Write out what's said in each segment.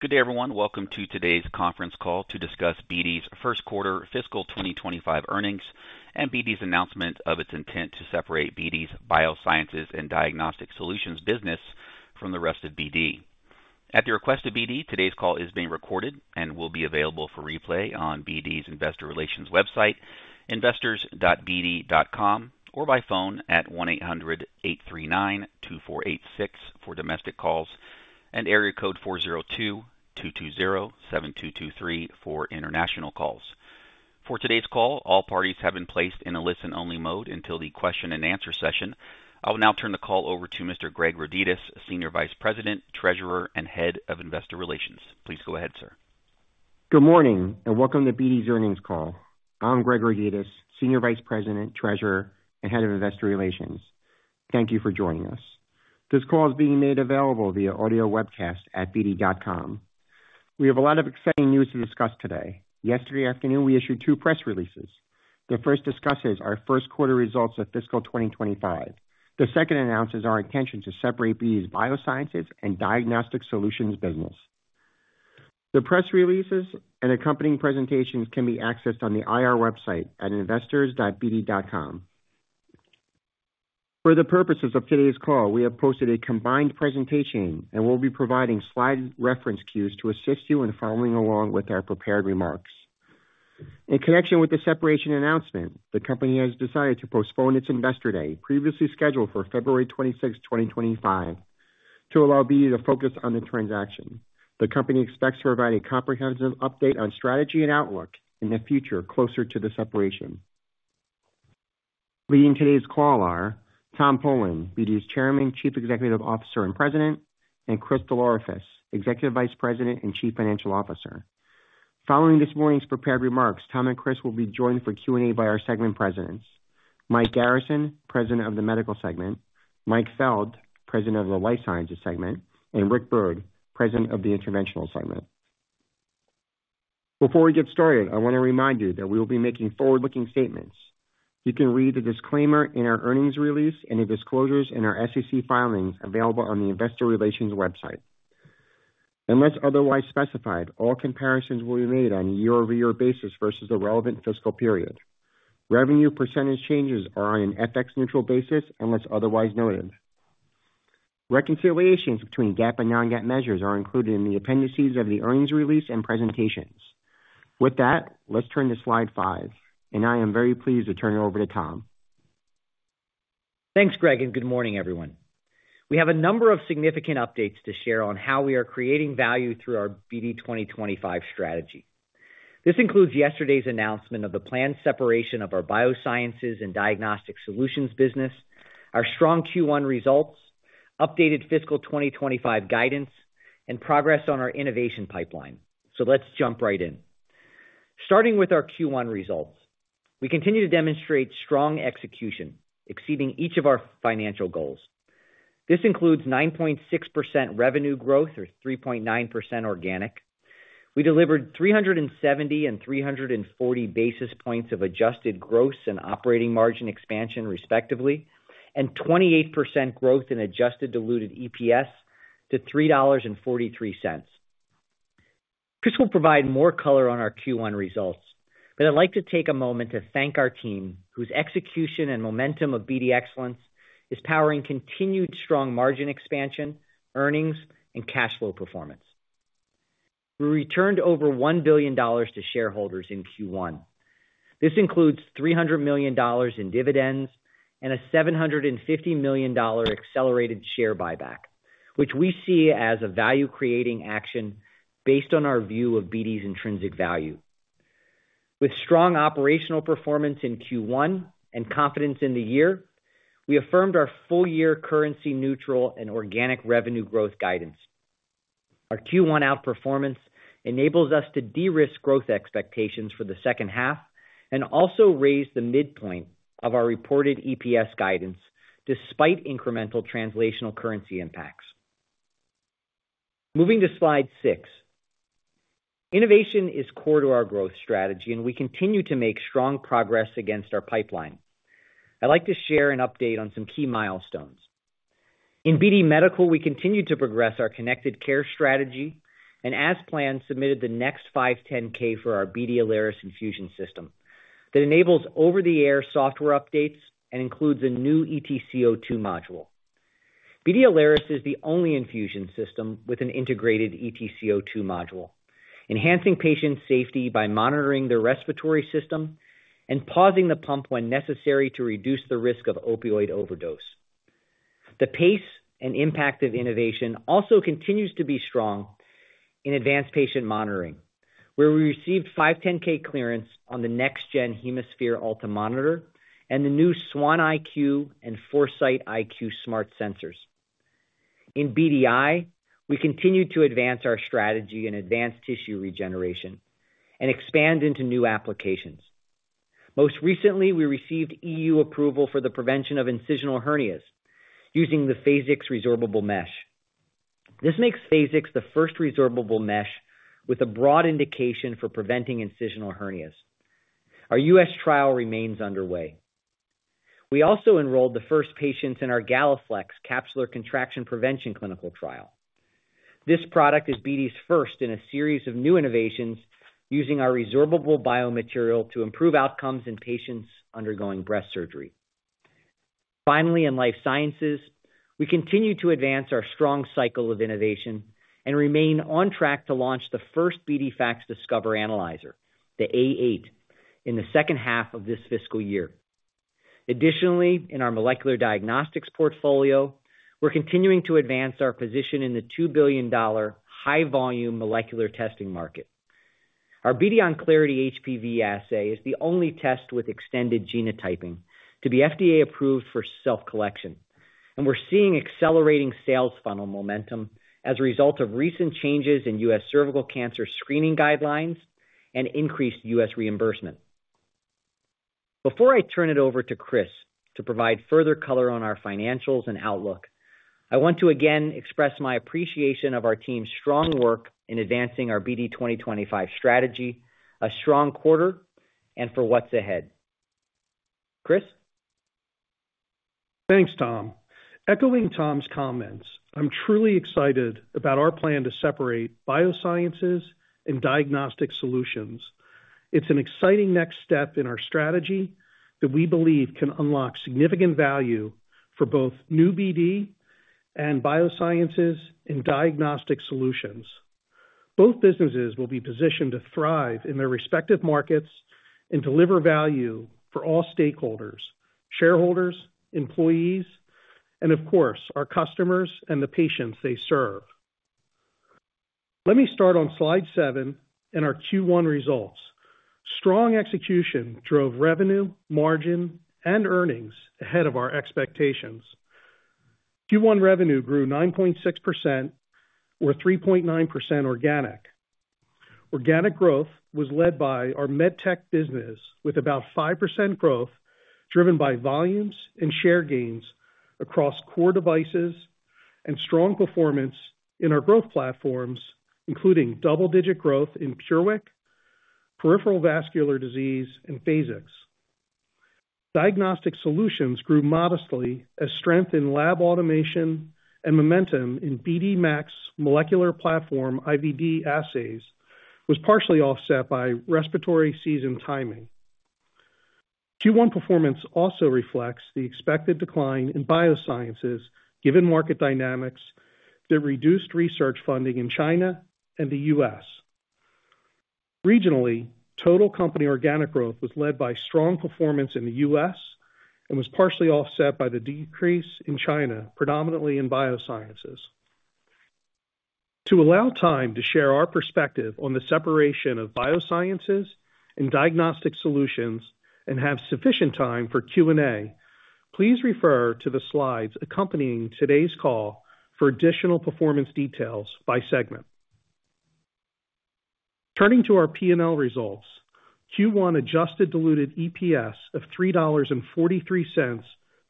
Good day, everyone. Welcome to today's conference call to discuss BD's first quarter fiscal 2025 earnings and BD's announcement of its intent to separate BD's Biosciences and Diagnostic Solutions business from the rest of BD. At the request of BD, today's call is being recorded and will be available for replay on BD's investor relations website, investors.bd.com, or by phone at 1-800-839-2486 for domestic calls and area code 402-220-7223 for international calls. For today's call, all parties have been placed in a listen-only mode until the question-and-answer session. I will now turn the call over to Mr. Greg Rodetis, Senior Vice President, Treasurer, and Head of Investor Relations. Please go ahead, sir. Good morning and welcome to BD's earnings call. I'm Greg Rodetis, Senior Vice President, Treasurer, and Head of Investor Relations. Thank you for joining us. This call is being made available via audio webcast at bd.com. We have a lot of exciting news to discuss today. Yesterday afternoon, we issued two press releases. The first discusses our first quarter results of fiscal 2025. The second announces our intention to separate BD's Biosciences and Diagnostic Solutions business. The press releases and accompanying presentations can be accessed on the IR website at investors.bd.com. For the purposes of today's call, we have posted a combined presentation and will be providing slide reference cues to assist you in following along with our prepared remarks. In connection with the separation announcement, the company has decided to postpone its investor day, previously scheduled for February 26, 2025, to allow BD to focus on the transaction. The company expects to provide a comprehensive update on strategy and outlook in the future closer to the separation. Leading today's call are Tom Polen, BD's Chairman, Chief Executive Officer and President, and Chris DelOrefice, Executive Vice President and Chief Financial Officer. Following this morning's prepared remarks, Tom and Chris will be joined for Q&A by our segment presidents: Mike Garrison, President of the Medical Segment; Mike Feld, President of the Life Sciences Segment; and Rick Byrd, President of the Interventional Segment. Before we get started, I want to remind you that we will be making forward-looking statements. You can read the disclaimer in our earnings release and the disclosures in our SEC filings available on the investor relations website. Unless otherwise specified, all comparisons will be made on a year-over-year basis versus the relevant fiscal period. Revenue percentage changes are on an FX-neutral basis unless otherwise noted. Reconciliations between GAAP and non-GAAP measures are included in the appendices of the earnings release and presentations. With that, let's turn to slide five, and I am very pleased to turn it over to Tom. Thanks, Greg, and good morning, everyone. We have a number of significant updates to share on how we are creating value through our BD 2025 strategy. This includes yesterday's announcement of the planned separation of our Biosciences and Diagnostic Solutions business, our strong Q1 results, updated fiscal 2025 guidance, and progress on our innovation pipeline. So let's jump right in. Starting with our Q1 results, we continue to demonstrate strong execution, exceeding each of our financial goals. This includes 9.6% revenue growth or 3.9% organic. We delivered 370 and 340 basis points of adjusted gross and operating margin expansion, respectively, and 28% growth in adjusted diluted EPS to $3.43. Chris will provide more color on our Q1 results, but I'd like to take a moment to thank our team whose execution and momentum of BD Excellence is powering continued strong margin expansion, earnings, and cash flow performance. We returned over $1 billion to shareholders in Q1. This includes $300 million in dividends and a $750 million accelerated share buyback, which we see as a value-creating action based on our view of BD's intrinsic value. With strong operational performance in Q1 and confidence in the year, we affirmed our full-year currency-neutral and organic revenue growth guidance. Our Q1 outperformance enables us to de-risk growth expectations for the second half and also raise the midpoint of our reported EPS guidance despite incremental translational currency impacts. Moving to slide six, innovation is core to our growth strategy, and we continue to make strong progress against our pipeline. I'd like to share an update on some key milestones. In BD Medical, we continue to progress our Connected Care strategy and, as planned, submitted the next 510(k) for our BD Alaris infusion system that enables over-the-air software updates and includes a new ETCO2 module. BD Alaris is the only infusion system with an integrated ETCO2 module, enhancing patient safety by monitoring the respiratory system and pausing the pump when necessary to reduce the risk of opioid overdose. The pace and impact of innovation also continues to be strong in Advanced Patient Monitoring, where we received 510(k) clearance on the NextGen HemoSphere Ultra Monitor and the new Swan IQ and ForeSight IQ smart sensors. In BDI, we continue to advance our strategy in advanced tissue regeneration and expand into new applications. Most recently, we received EU approval for the prevention of incisional hernias using the Phasix resorbable mesh. This makes Phasix the first resorbable mesh with a broad indication for preventing incisional hernias. Our U.S. trial remains underway. We also enrolled the first patients in our GalaFLEX capsular contraction prevention clinical trial. This product is BD's first in a series of new innovations using our resorbable biomaterial to improve outcomes in patients undergoing breast surgery. Finally, in Life Sciences, we continue to advance our strong cycle of innovation and remain on track to launch the first BD FACSDiscover analyzer, the A8, in the second half of this fiscal year. Additionally, in our molecular Diagnostics portfolio, we're continuing to advance our position in the $2 billion high-volume molecular testing market. Our BD OnClarity HPV assay is the only test with extended genotyping to be FDA approved for self-collection, and we're seeing accelerating sales funnel momentum as a result of recent changes in U.S. Cervical cancer screening guidelines and increased U.S. reimbursement. Before I turn it over to Chris to provide further color on our financials and outlook, I want to again express my appreciation of our team's strong work in advancing our BD 2025 strategy, a strong quarter, and for what's ahead. Chris? Thanks, Tom. Echoing Tom's comments, I'm truly excited about our plan to separate Biosciences and Diagnostic Solutions. It's an exciting next step in our strategy that we believe can unlock significant value for both New BD and Biosciences and Diagnostic Solutions. Both businesses will be positioned to thrive in their respective markets and deliver value for all stakeholders, shareholders, employees, and, of course, our customers and the patients they serve. Let me start on slide seven and our Q1 results. Strong execution drove revenue, margin, and earnings ahead of our expectations. Q1 revenue grew 9.6%, or 3.9% organic. Organic growth was led by our medtech business with about 5% growth driven by volumes and share gains across core devices and strong performance in our growth platforms, including double-digit growth in PureWick, peripheral vascular disease, and Phasix. Diagnostic Solutions grew modestly as strength in lab automation and momentum in BD MAX molecular platform IVD assays was partially offset by respiratory season timing. Q1 performance also reflects the expected decline in Biosciences given market dynamics that reduced research funding in China and the U.S. Regionally, total company organic growth was led by strong performance in the U.S. and was partially offset by the decrease in China, predominantly in Biosciences. To allow time to share our perspective on the separation of Biosciences and Diagnostic Solutions and have sufficient time for Q&A, please refer to the slides accompanying today's call for additional performance details by segment. Turning to our P&L results, Q1 adjusted diluted EPS of $3.43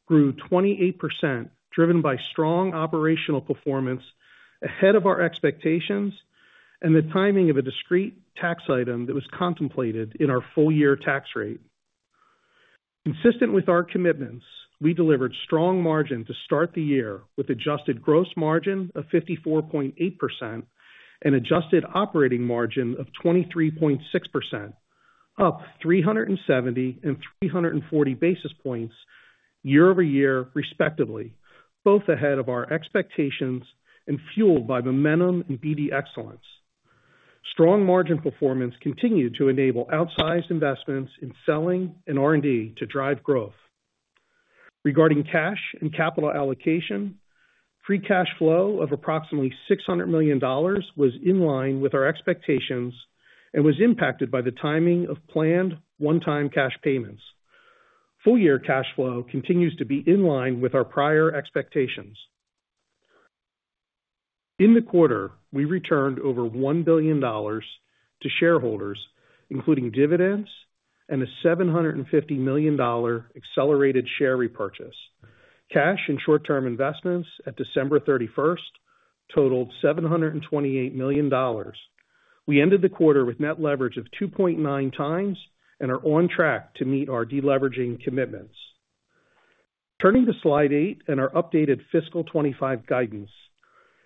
grew 28%, driven by strong operational performance ahead of our expectations and the timing of a discrete tax item that was contemplated in our full-year tax rate. Consistent with our commitments, we delivered strong margin to start the year with adjusted gross margin of 54.8% and adjusted operating margin of 23.6%, up 370 and 340 basis points year-over-year, respectively, both ahead of our expectations and fueled by momentum in BD Excellence. Strong margin performance continued to enable outsized investments in selling and R&D to drive growth. Regarding cash and capital allocation, free cash flow of approximately $600 million was in line with our expectations and was impacted by the timing of planned one-time cash payments. Full-year cash flow continues to be in line with our prior expectations. In the quarter, we returned over $1 billion to shareholders, including dividends and a $750 million accelerated share repurchase. Cash and short-term investments at December 31st totaled $728 million. We ended the quarter with net leverage of 2.9 times and are on track to meet our deleveraging commitments. Turning to slide eight and our updated fiscal 25 guidance,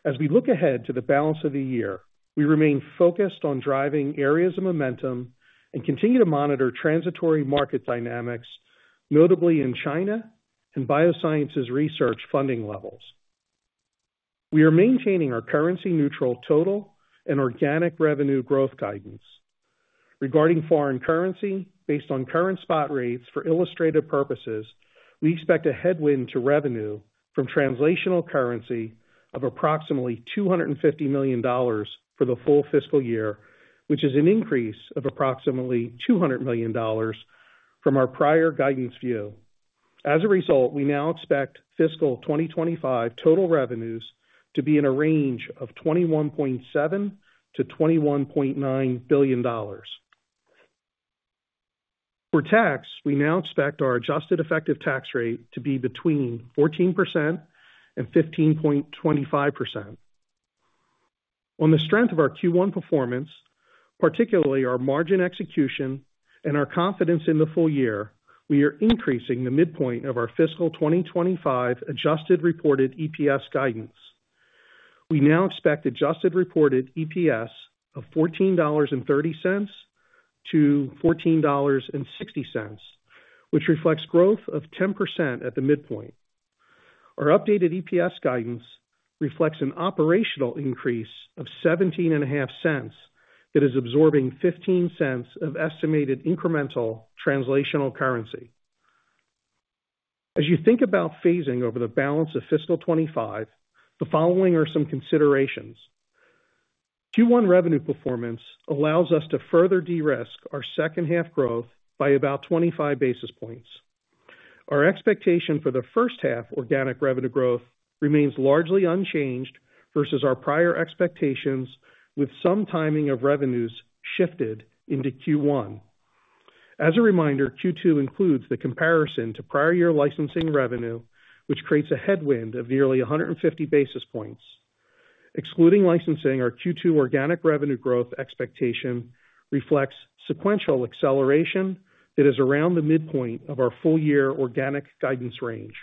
as we look ahead to the balance of the year, we remain focused on driving areas of momentum and continue to monitor transitory market dynamics, notably in China and Biosciences research funding levels. We are maintaining our currency-neutral total and organic revenue growth guidance. Regarding foreign currency, based on current spot rates for illustrative purposes, we expect a headwind to revenue from currency translation of approximately $250 million for the full fiscal year, which is an increase of approximately $200 million from our prior guidance view. As a result, we now expect fiscal 2025 total revenues to be in a range of $21.7-$21.9 billion. For tax, we now expect our adjusted effective tax rate to be between 14% and 15.25%. On the strength of our Q1 performance, particularly our margin execution and our confidence in the full year, we are increasing the midpoint of our fiscal 2025 adjusted reported EPS guidance. We now expect adjusted reported EPS of $14.30-$14.60, which reflects growth of 10% at the midpoint. Our updated EPS guidance reflects an operational increase of $0.175 that is absorbing $0.15 of estimated incremental translational currency. As you think about phasing over the balance of fiscal 25, the following are some considerations. Q1 revenue performance allows us to further de-risk our second-half growth by about 25 basis points. Our expectation for the first half organic revenue growth remains largely unchanged versus our prior expectations, with some timing of revenues shifted into Q1. As a reminder, Q2 includes the comparison to prior year licensing revenue, which creates a headwind of nearly 150 basis points. Excluding licensing, our Q2 organic revenue growth expectation reflects sequential acceleration that is around the midpoint of our full-year organic guidance range.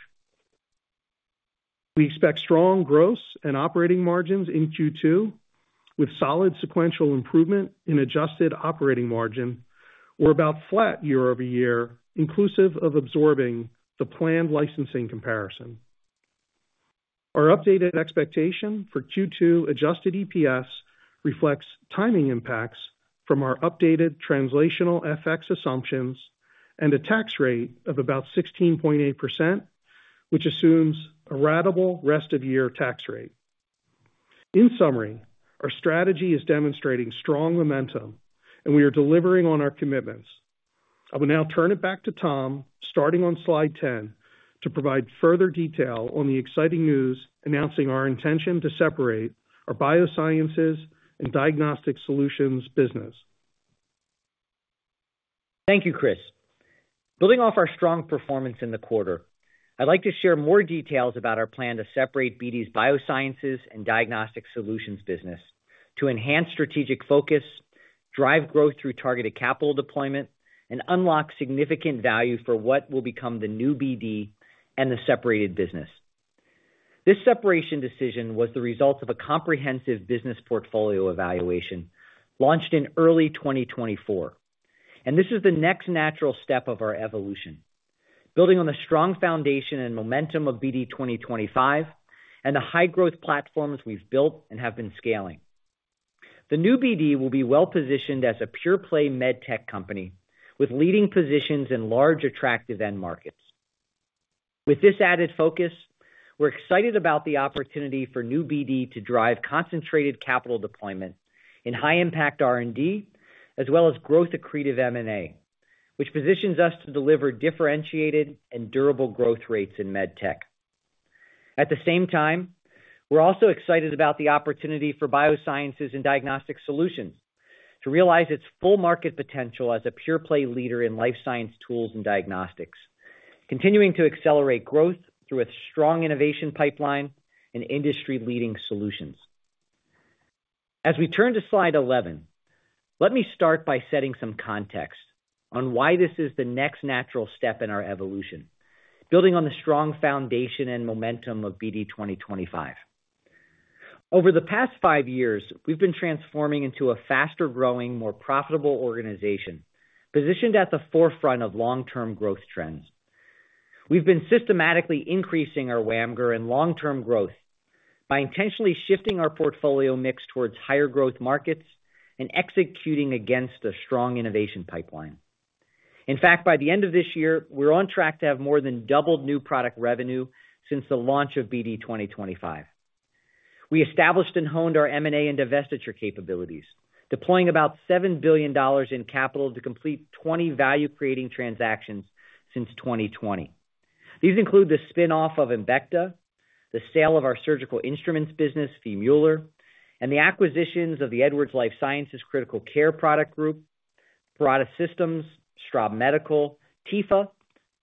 We expect strong gross and operating margins in Q2, with solid sequential improvement in adjusted operating margin, or about flat year-over-year, inclusive of absorbing the planned licensing comparison. Our updated expectation for Q2 adjusted EPS reflects timing impacts from our updated translational FX assumptions and a tax rate of about 16.8%, which assumes a ratable rest-of-year tax rate. In summary, our strategy is demonstrating strong momentum, and we are delivering on our commitments. I will now turn it back to Tom, starting on slide 10, to provide further detail on the exciting news announcing our intention to separate our Biosciences and Diagnostic Solutions business. Thank you, Chris. Building off our strong performance in the quarter, I'd like to share more details about our plan to separate BD's Biosciences and Diagnostic Solutions business to enhance strategic focus, drive growth through targeted capital deployment, and unlock significant value for what will become the New BD and the separated business. This separation decision was the result of a comprehensive business portfolio evaluation launched in early 2024, and this is the next natural step of our evolution, building on the strong foundation and momentum of BD 2025 and the high-growth platforms we've built and have been scaling. The New BD will be well-positioned as a pure-play medtech company with leading positions in large attractive end markets. With this added focus, we're excited about the opportunity for New BD to drive concentrated capital deployment in high-impact R&D as well as growth-accretive M&A, which positions us to deliver differentiated and durable growth rates in medtech. At the same time, we're also excited about the opportunity for Biosciences and Diagnostic Solutions to realize its full market potential as a pure-play leader in life science tools and diagnostics, continuing to accelerate growth through a strong innovation pipeline and industry-leading solutions. As we turn to slide 11, let me start by setting some context on why this is the next natural step in our evolution, building on the strong foundation and momentum of BD 2025. Over the past five years, we've been transforming into a faster-growing, more profitable organization positioned at the forefront of long-term growth trends. We've been systematically increasing our WAMGR and long-term growth by intentionally shifting our portfolio mix towards higher-growth markets and executing against a strong innovation pipeline. In fact, by the end of this year, we're on track to have more than doubled new product revenue since the launch of BD 2025. We established and honed our M&A and divestiture capabilities, deploying about $7 billion in capital to complete 20 value-creating transactions since 2020. These include the spinoff of Embecta, the sale of our surgical instruments business, V. Mueller, and the acquisitions of the Edwards Lifesciences Critical Care Product Group, Parata Systems, Straub Medical, Tepha,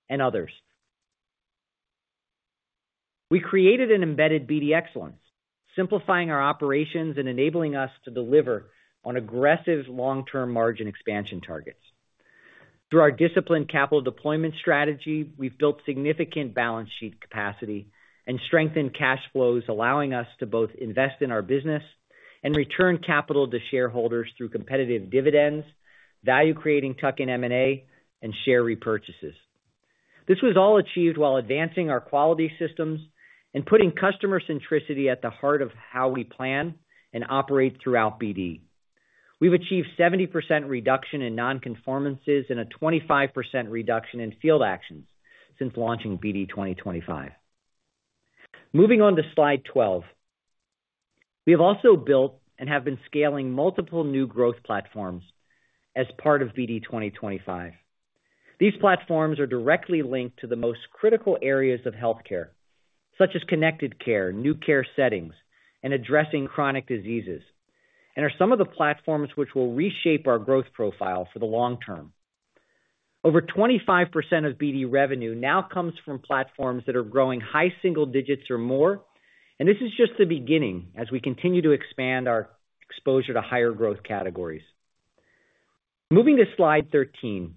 and others. We created and embedded BD Excellence, simplifying our operations and enabling us to deliver on aggressive long-term margin expansion targets. Through our disciplined capital deployment strategy, we've built significant balance sheet capacity and strengthened cash flows, allowing us to both invest in our business and return capital to shareholders through competitive dividends, value-creating tuck-in M&A, and share repurchases. This was all achieved while advancing our quality systems and putting customer centricity at the heart of how we plan and operate throughout BD. We've achieved 70% reduction in non-conformances and a 25% reduction in field actions since launching BD 2025. Moving on to slide 12, we have also built and have been scaling multiple new growth platforms as part of BD 2025. These platforms are directly linked to the most critical areas of healthcare, such as Connected Care, new care settings, and addressing chronic diseases, and are some of the platforms which will reshape our growth profile for the long term. Over 25% of BD revenue now comes from platforms that are growing high single digits or more, and this is just the beginning as we continue to expand our exposure to higher growth categories. Moving to slide 13,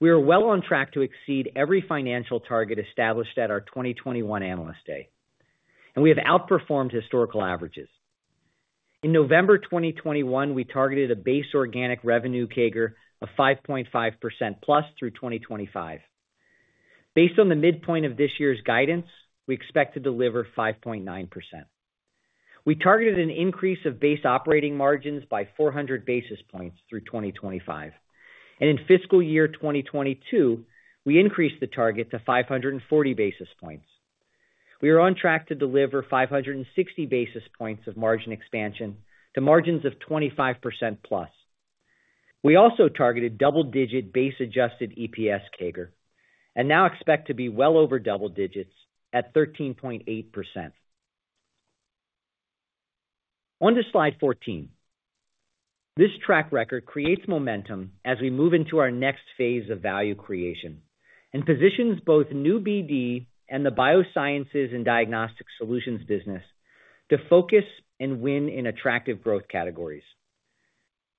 we are well on track to exceed every financial target established at our 2021 analyst day, and we have outperformed historical averages. In November 2021, we targeted a base organic revenue CAGR of 5.5% plus through 2025. Based on the midpoint of this year's guidance, we expect to deliver 5.9%. We targeted an increase of base operating margins by 400 basis points through 2025, and in fiscal year 2022, we increased the target to 540 basis points. We are on track to deliver 560 basis points of margin expansion to margins of 25% plus. We also targeted double-digit base-adjusted EPS CAGR and now expect to be well over double digits at 13.8%. On to slide 14. This track record creates momentum as we move into our next phase of value creation and positions both New BD and the Biosciences and Diagnostic Solutions business to focus and win in attractive growth categories.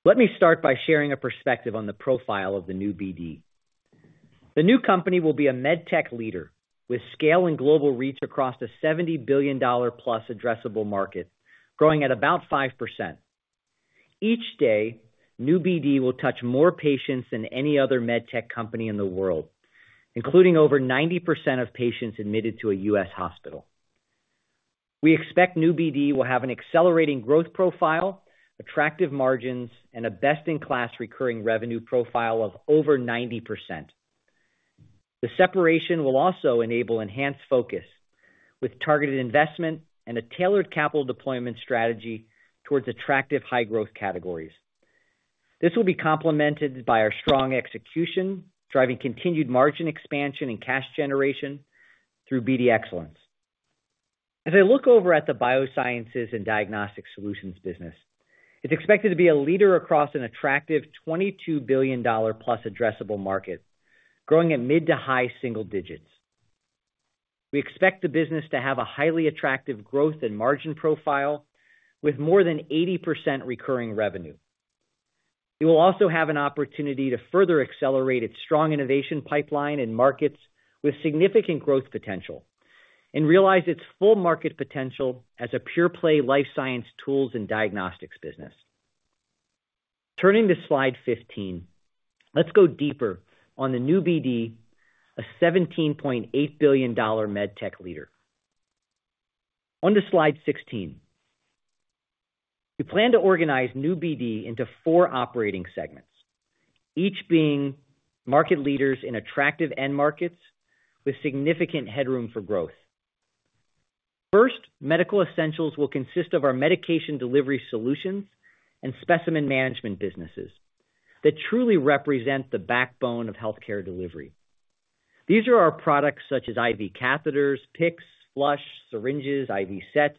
Let me start by sharing a perspective on the profile of the New BD. The new company will be a medtech leader with scale and global reach across a $70 billion plus addressable market, growing at about 5%. Each day, New BD will touch more patients than any other medtech company in the world, including over 90% of patients admitted to a U.S. hospital. We expect New BD will have an accelerating growth profile, attractive margins, and a best-in-class recurring revenue profile of over 90%. The separation will also enable enhanced focus with targeted investment and a tailored capital deployment strategy towards attractive high-growth categories. This will be complemented by our strong execution, driving continued margin expansion and cash generation through BD Excellence. As I look over at the Biosciences and Diagnostic Solutions business, it's expected to be a leader across an attractive $22 billion plus addressable market, growing at mid- to high-single-digits. We expect the business to have a highly attractive growth and margin profile with more than 80% recurring revenue. It will also have an opportunity to further accelerate its strong innovation pipeline and markets with significant growth potential and realize its full market potential as a pure-play life science tools and diagnostics business. Turning to slide 15, let's go deeper on the New BD, a $17.8 billion medtech leader. On to slide 16. We plan to organize New BD into four operating segments, each being market leaders in attractive end markets with significant headroom for growth. First, Medical Essentials will consist of our Medication Delivery Solutions and Specimen Management businesses that truly represent the backbone of healthcare delivery. These are our products such as IV catheters, PICC, flush, syringes, IV sets,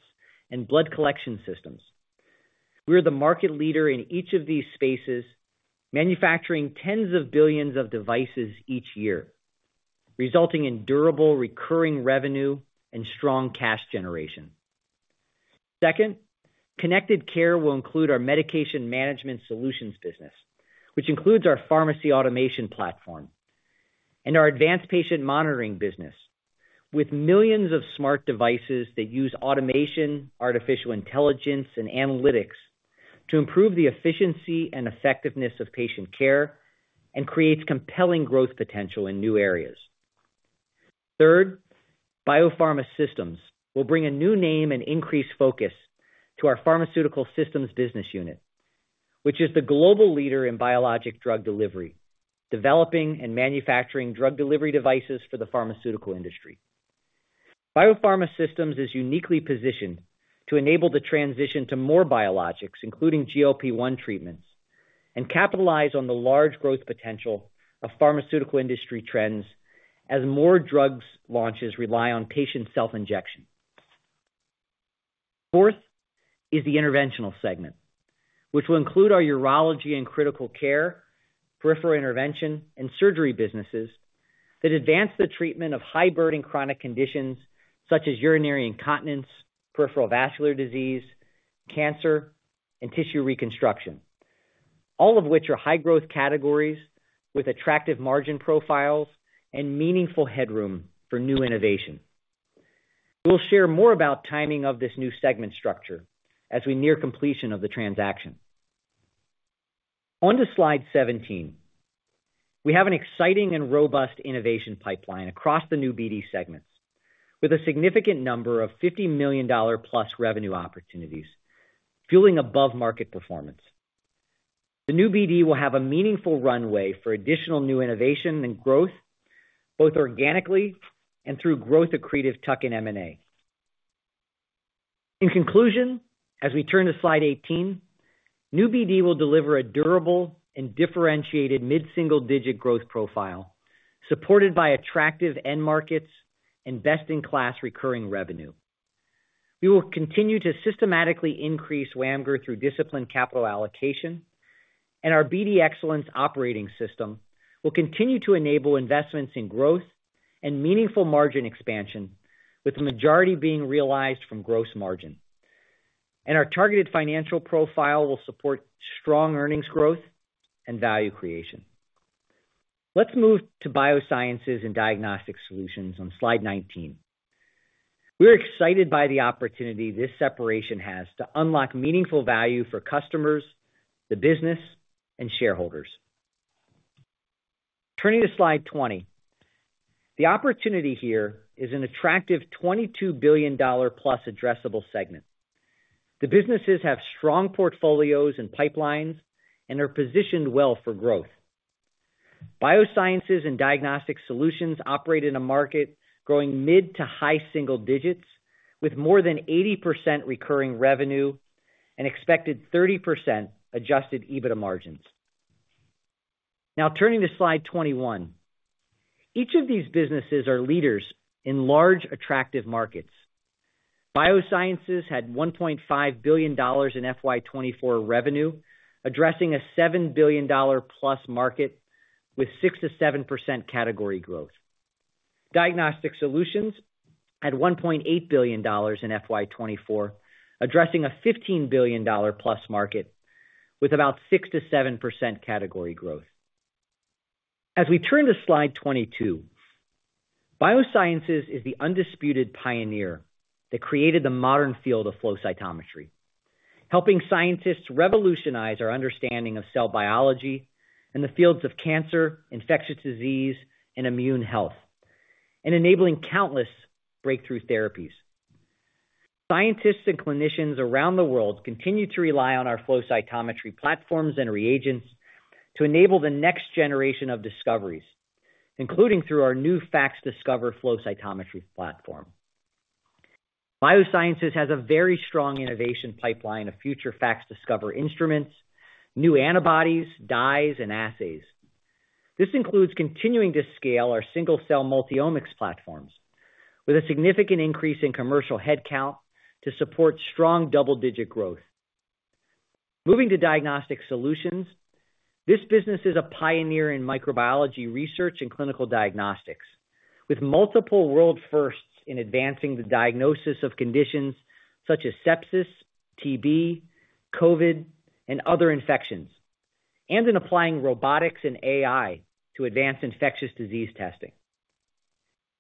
and blood collection systems. We are the market leader in each of these spaces, manufacturing tens of billions of devices each year, resulting in durable recurring revenue and strong cash generation. Second, Connected Care will include our Medication Management Solutions business, which includes our pharmacy automation platform and our Advanced Patient Monitoring business with millions of smart devices that use automation, artificial intelligence, and analytics to improve the efficiency and effectiveness of patient care and create compelling growth potential in new areas. Third, Biopharma Systems will bring a new name and increased focus to our Pharmaceutical Systems business unit, which is the global leader in biologic drug delivery, developing and manufacturing drug delivery devices for the pharmaceutical industry. Biopharma systems is uniquely positioned to enable the transition to more biologics, including GLP-1 treatments, and capitalize on the large growth potential of pharmaceutical industry trends as more drug launches rely on patient self-injection. Fourth is the Interventional segment, which will include our Urology and Critical Care, Peripheral Intervention, and Surgery businesses that advance the treatment of high-burden chronic conditions such as urinary incontinence, peripheral vascular disease, cancer, and tissue reconstruction, all of which are high-growth categories with attractive margin profiles and meaningful headroom for new innovation. We'll share more about timing of this new segment structure as we near completion of the transaction. On to slide 17. We have an exciting and robust innovation pipeline across the New BD segments with a significant number of $50 million plus revenue opportunities, fueling above-market performance. The New BD will have a meaningful runway for additional new innovation and growth, both organically and through growth-accretive tuck-in M&A. In conclusion, as we turn to slide 18, New BD will deliver a durable and differentiated mid-single-digit growth profile supported by attractive end markets and best-in-class recurring revenue. We will continue to systematically increase WAMGR through disciplined capital allocation, and our BD Excellence operating system will continue to enable investments in growth and meaningful margin expansion, with the majority being realized from gross margin. Our targeted financial profile will support strong earnings growth and value creation. Let's move to Biosciences and Diagnostic Solutions on slide 19. We are excited by the opportunity this separation has to unlock meaningful value for customers, the business, and shareholders. Turning to slide 20, the opportunity here is an attractive $22 billion plus addressable segment. The businesses have strong portfolios and pipelines and are positioned well for growth. Biosciences and Diagnostic Solutions operate in a market growing mid to high single digits with more than 80% recurring revenue and expected 30% adjusted EBITDA margins. Now, turning to slide 21, each of these businesses are leaders in large attractive markets. Biosciences had $1.5 billion in FY 2024 revenue, addressing a $7 billion plus market with 6-7% category growth. Diagnostic Solutions had $1.8 billion in FY 2024, addressing a $15 billion plus market with about 6-7% category growth. As we turn to slide 22, Biosciences is the undisputed pioneer that created the modern field of flow cytometry, helping scientists revolutionize our understanding of cell biology and the fields of cancer, infectious disease, and immune health, and enabling countless breakthrough therapies. Scientists and clinicians around the world continue to rely on our flow cytometry platforms and reagents to enable the next generation of discoveries, including through our new FACSDiscover flow cytometry platform. Biosciences has a very strong innovation pipeline of future FACSDiscover instruments, new antibodies, dyes, and assays. This includes continuing to scale our single-cell multi-omics platforms with a significant increase in commercial headcount to support strong double-digit growth. Moving to Diagnostic Solutions, this business is a pioneer in microbiology research and clinical diagnostics, with multiple world firsts in advancing the diagnosis of conditions such as sepsis, TB, COVID, and other infections, and in applying robotics and AI to advance infectious disease testing.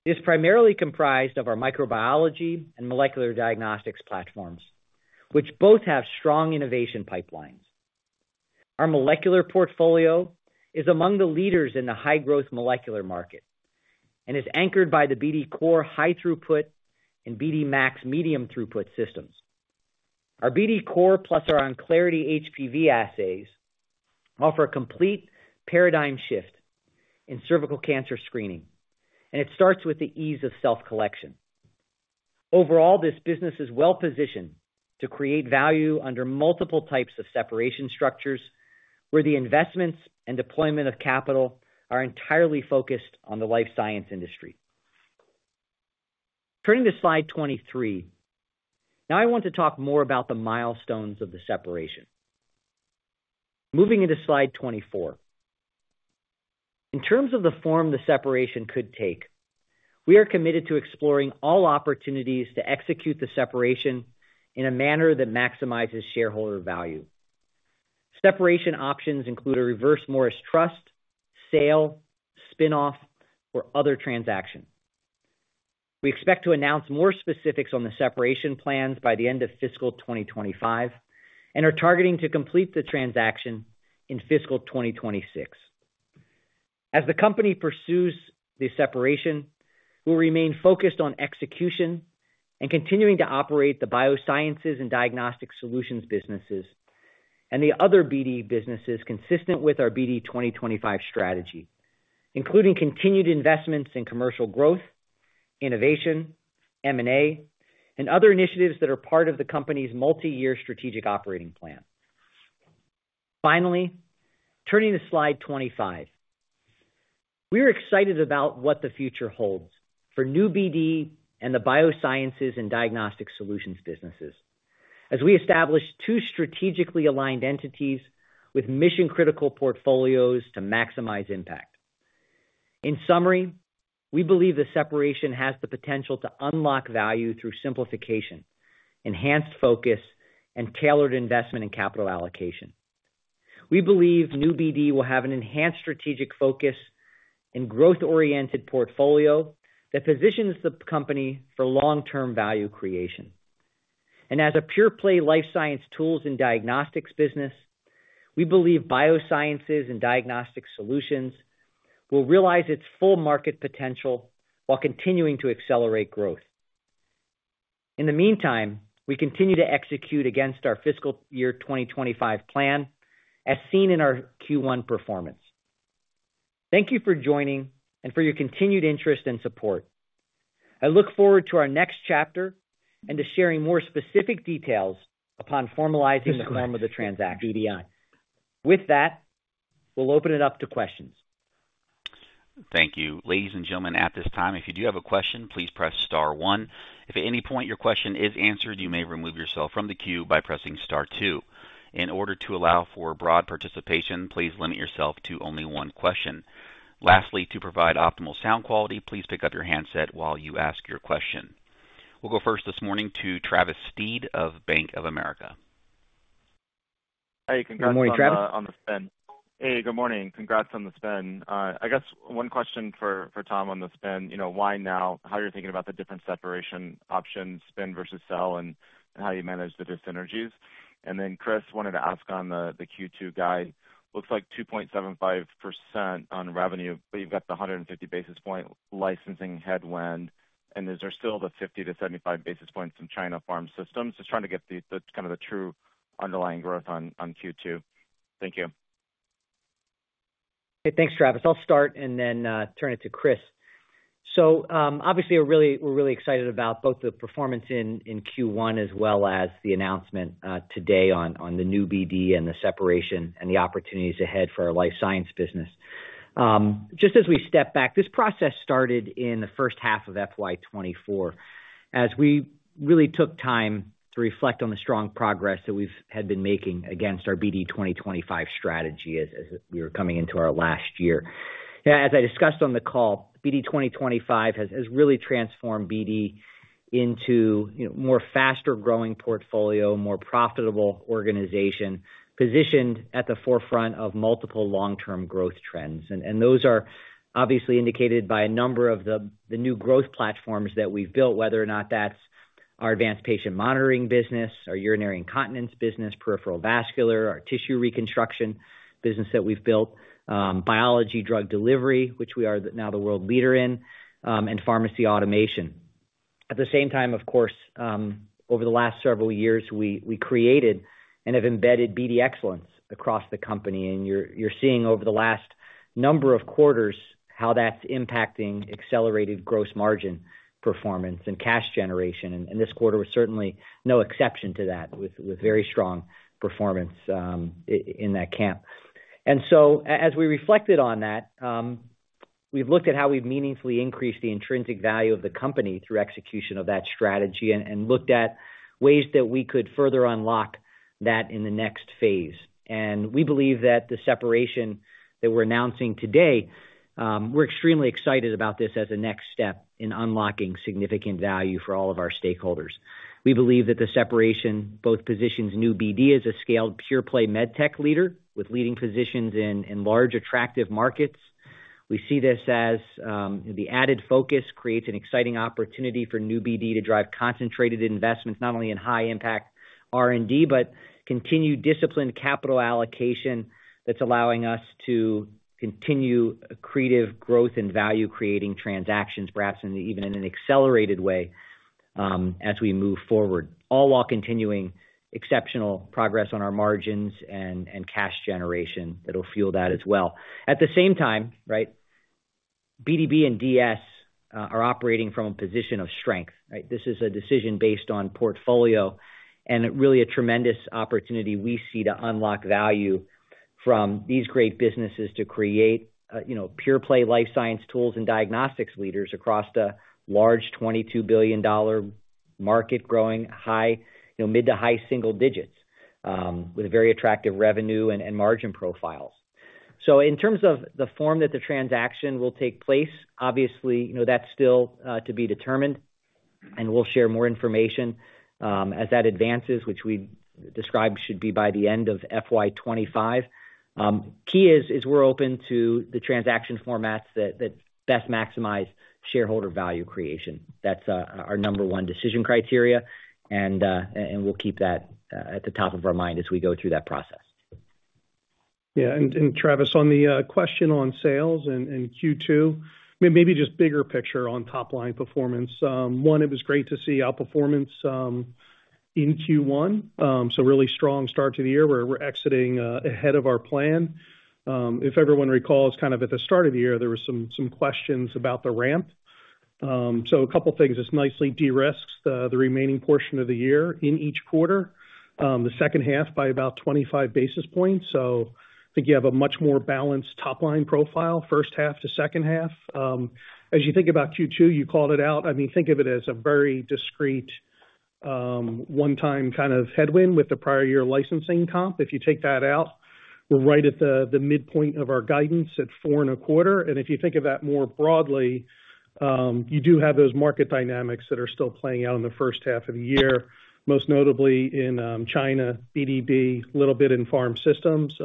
It is primarily comprised of our microbiology and molecular diagnostics platforms, which both have strong innovation pipelines. Our molecular portfolio is among the leaders in the high-growth molecular market and is anchored by the BD COR high-throughput and BD MAX medium-throughput systems. Our BD COR plus our OnClarity HPV assays offer a complete paradigm shift in cervical cancer screening, and it starts with the ease of self-collection. Overall, this business is well positioned to create value under multiple types of separation structures where the investments and deployment of capital are entirely focused on the life science industry. Turning to slide 23, now I want to talk more about the milestones of the separation. Moving into slide 24, in terms of the form the separation could take, we are committed to exploring all opportunities to execute the separation in a manner that maximizes shareholder value. Separation options include a Reverse Morris Trust, sale, spinoff, or other transaction. We expect to announce more specifics on the separation plans by the end of fiscal 2025 and are targeting to complete the transaction in fiscal 2026. As the company pursues the separation, we'll remain focused on execution and continuing to operate the Biosciences and Diagnostic Solutions businesses and the other BD businesses consistent with our BD 2025 strategy, including continued investments in commercial growth, innovation, M&A, and other initiatives that are part of the company's multi-year strategic operating plan. Finally, turning to slide 25, we are excited about what the future holds for New BD and the Biosciences and Diagnostic Solutions businesses as we establish two strategically aligned entities with mission-critical portfolios to maximize impact. In summary, we believe the separation has the potential to unlock value through simplification, enhanced focus, and tailored investment and capital allocation. We believe New BD will have an enhanced strategic focus and growth-oriented portfolio that positions the company for long-term value creation, and as a pure-play life science tools and diagnostics business, we believe Biosciences and Diagnostic Solutions will realize its full market potential while continuing to accelerate growth. In the meantime, we continue to execute against our fiscal year 2025 plan as seen in our Q1 performance. Thank you for joining and for your continued interest and support. I look forward to our next chapter and to sharing more specific details upon formalizing the form of the transaction. With that, we'll open it up to questions. Thank you. Ladies and gentlemen, at this time, if you do have a question, please press star one. If at any point your question is answered, you may remove yourself from the queue by pressing star two. In order to allow for broad participation, please limit yourself to only one question. Lastly, to provide optimal sound quality, please pick up your handset while you ask your question. We'll go first this morning to Travis Steed of Bank of America. Hey, congrats on the spin. Hey, good morning. Congrats on the spin. I guess one question for Tom on the spin, why now, how you're thinking about the different separation options, spin versus sell, and how you manage the two synergies. And then Chris wanted to ask on the Q2 guide. Looks like 2.75% on revenue, but you've got the 150 basis point licensing headwind, and is there still the 50-75 basis points from China Pharma Systems? Just trying to get the kind of the true underlying growth on Q2. Thank you. Hey, thanks, Travis. I'll start and then turn it to Chris. So obviously, we're really excited about both the performance in Q1 as well as the announcement today on the New BD and the separation and the opportunities ahead for our life science business. Just as we step back, this process started in the first half of FY 2024 as we really took time to reflect on the strong progress that we've had been making against our BD 2025 strategy as we were coming into our last year. As I discussed on the call, BD 2025 has really transformed BD into a more faster-growing portfolio, more profitable organization positioned at the forefront of multiple long-term growth trends, and those are obviously indicated by a number of the new growth platforms that we've built, whether or not that's our Advanced Patient Monitoring business, our urinary incontinence business, peripheral vascular, our tissue reconstruction business that we've built, biologics drug delivery, which we are now the world leader in, and pharmacy automation. At the same time, of course, over the last several years, we created and have embedded BD Excellence across the company, and you're seeing over the last number of quarters how that's impacting accelerated gross margin performance and cash generation. And this quarter was certainly no exception to that with very strong performance in that camp. And so as we reflected on that, we've looked at how we've meaningfully increased the intrinsic value of the company through execution of that strategy and looked at ways that we could further unlock that in the next phase. And we believe that the separation that we're announcing today. We're extremely excited about this as a next step in unlocking significant value for all of our stakeholders. We believe that the separation both positions New BD as a scaled pure-play medtech leader with leading positions in large attractive markets. We see this as the added focus creates an exciting opportunity for New BD to drive concentrated investments, not only in high-impact R&D, but continued disciplined capital allocation that's allowing us to continue creative growth and value-creating transactions, perhaps even in an accelerated way as we move forward, all while continuing exceptional progress on our margins and cash generation that will fuel that as well. At the same time, right, BDB and DS are operating from a position of strength. This is a decision based on portfolio and really a tremendous opportunity we see to unlock value from these great businesses to create pure-play life science tools and diagnostics leaders across the large $22 billion market, growing high, mid- to high single digits with very attractive revenue and margin profiles. In terms of the form that the transaction will take place, obviously, that's still to be determined, and we'll share more information as that advances, which we described should be by the end of FY 25. Key is we're open to the transaction formats that best maximize shareholder value creation. That's our number one decision criteria, and we'll keep that at the top of our mind as we go through that process. Yeah. And Travis, on the question on sales and Q2, maybe just bigger picture on top-line performance. One, it was great to see outperformance in Q1, so really strong start to the year. We're exiting ahead of our plan. If everyone recalls, kind of at the start of the year, there were some questions about the ramp. A couple of things. It's nicely de-risked the remaining portion of the year in each quarter, the second half by about 25 basis points. I think you have a much more balanced top-line profile, first half to second half. As you think about Q2, you called it out. I mean, think of it as a very discrete one-time kind of headwind with the prior year licensing comp. If you take that out, we're right at the midpoint of our guidance at four and a quarter. If you think of that more broadly, you do have those market dynamics that are still playing out in the first half of the year, most notably in China, BD's, a little bit in Pharm Systems.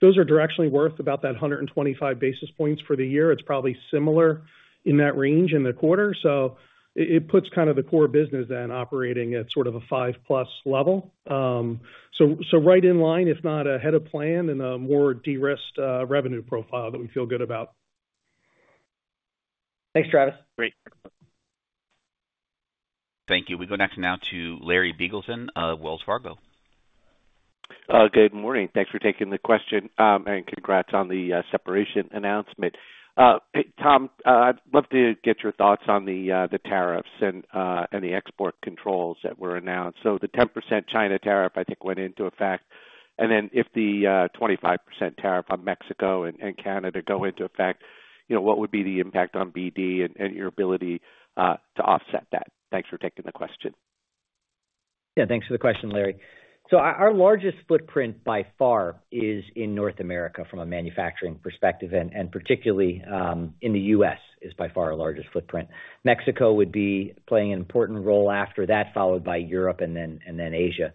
Those are directionally worth about that 125 basis points for the year. It's probably similar in that range in the quarter. So it puts kind of the core business then operating at sort of a five-plus level. So right in line, if not ahead of plan, and a more de-risked revenue profile that we feel good about. Thanks, Travis. Great. Thank you. We go next now to Larry Biegelsen of Wells Fargo. Good morning. Thanks for taking the question and congrats on the separation announcement. Tom, I'd love to get your thoughts on the tariffs and the export controls that were announced. So the 10% China tariff, I think, went into effect. And then if the 25% tariff on Mexico and Canada go into effect, what would be the impact on BD and your ability to offset that? Thanks for taking the question. Yeah. Thanks for the question, Larry. So our largest footprint by far is in North America from a manufacturing perspective, and particularly in the U.S. is by far our largest footprint. Mexico would be playing an important role after that, followed by Europe and then Asia.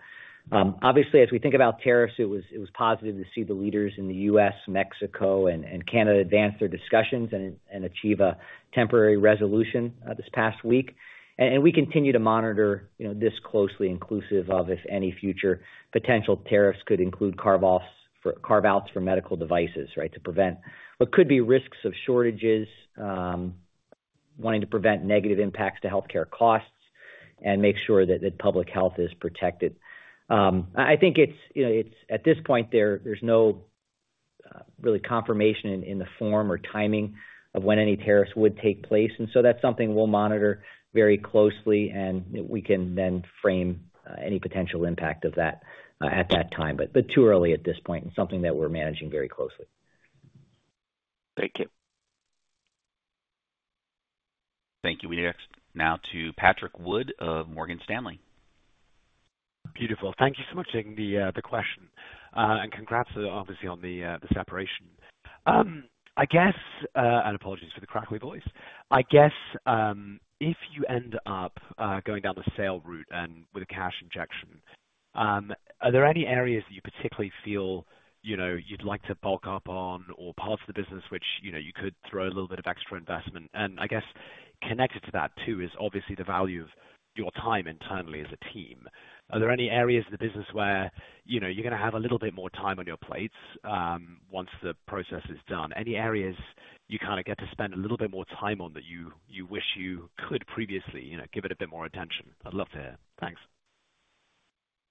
Obviously, as we think about tariffs, it was positive to see the leaders in the U.S., Mexico, and Canada advance their discussions and achieve a temporary resolution this past week, and we continue to monitor this closely, inclusive of if any future potential tariffs could include carve-outs for medical devices, right, to prevent what could be risks of shortages, wanting to prevent negative impacts to healthcare costs, and make sure that public health is protected. I think at this point, there's no really confirmation in the form or timing of when any tariffs would take place. And so that's something we'll monitor very closely, and we can then frame any potential impact of that at that time. But too early at this point, and something that we're managing very closely. Thank you. Thank you. We next now to Patrick Wood of Morgan Stanley. Beautiful. Thank you so much for taking the question. And congrats, obviously, on the separation. And apologies for the crackly voice. I guess if you end up going down the sale route and with a cash injection, are there any areas that you particularly feel you'd like to bulk up on or parts of the business which you could throw a little bit of extra investment? And I guess connected to that too is obviously the value of your time internally as a team. Are there any areas of the business where you're going to have a little bit more time on your plates once the process is done? Any areas you kind of get to spend a little bit more time on that you wish you could previously give it a bit more attention? I'd love to hear. Thanks.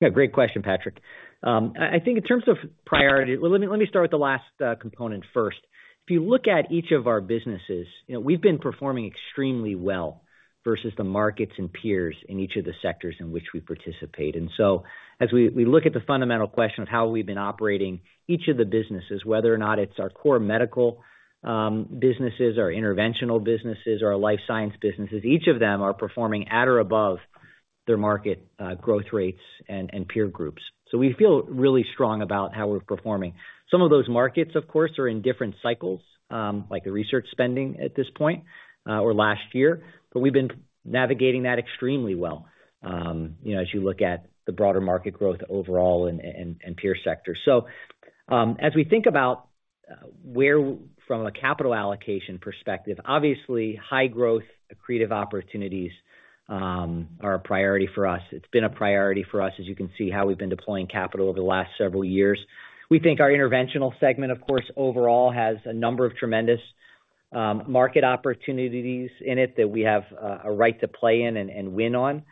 Yeah. Great question, Patrick. I think in terms of priority, well, let me start with the last component first. If you look at each of our businesses, we've been performing extremely well versus the markets and peers in each of the sectors in which we participate. So as we look at the fundamental question of how we've been operating, each of the businesses, whether or not it's our core medical businesses, our Interventional businesses, or our life science businesses, each of them are performing at or above their market growth rates and peer groups. So we feel really strong about how we're performing. Some of those markets, of course, are in different cycles, like the research spending at this point or last year, but we've been navigating that extremely well as you look at the broader market growth overall and peer sectors. So as we think about from a capital allocation perspective, obviously, high growth, creative opportunities are a priority for us. It's been a priority for us, as you can see how we've been deploying capital over the last several years. We think our Interventional segment, of course, overall has a number of tremendous market opportunities in it that we have a right to play in and win on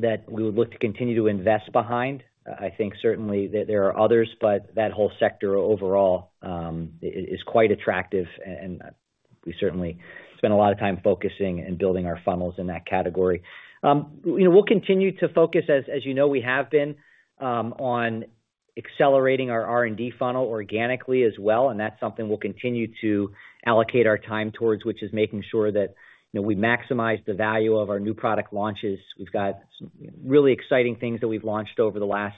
that we would look to continue to invest behind. I think certainly that there are others, but that whole sector overall is quite attractive, and we certainly spend a lot of time focusing and building our funnels in that category. We'll continue to focus, as you know, we have been on accelerating our R&D funnel organically as well, and that's something we'll continue to allocate our time towards, which is making sure that we maximize the value of our new product launches. We've got some really exciting things that we've launched over the last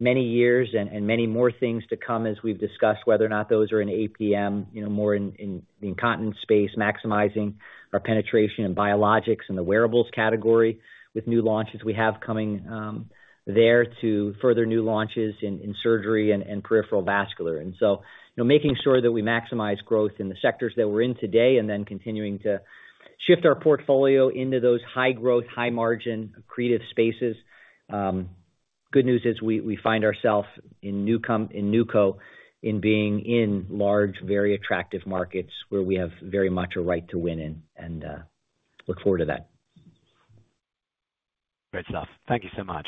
many years and many more things to come as we've discussed whether or not those are in APM, more in the incontinence space, maximizing our penetration in biologics and the wearables category with new launches we have coming there to further new launches in Surgery and Peripheral Vascular. And so making sure that we maximize growth in the sectors that we're in today and then continuing to shift our portfolio into those high growth, high margin creative spaces. Good news is we find ourselves in Nexus in being in large, very attractive markets where we have very much a right to win in and look forward to that. Great stuff. Thank you so much.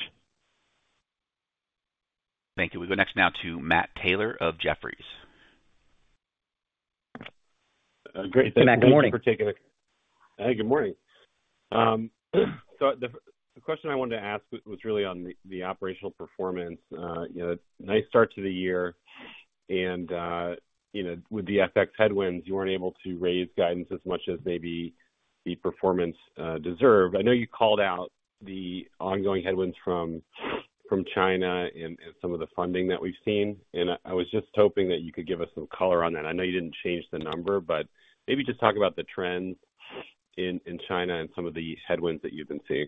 Thank you. We go next now to Matt Taylor of Jefferies. Great. Thank you for taking the. Good morning. Hey, good morning. So the question I wanted to ask was really on the operational performance. Nice start to the year. And with the FX headwinds, you weren't able to raise guidance as much as maybe the performance deserved. I know you called out the ongoing headwinds from China and some of the funding that we've seen. And I was just hoping that you could give us some color on that. I know you didn't change the number, but maybe just talk about the trends in China and some of the headwinds that you've been seeing.